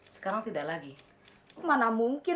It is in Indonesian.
sekarang tidak lagi